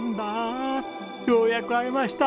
ようやく会えました！